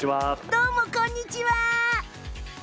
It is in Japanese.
どうも、こんにちは。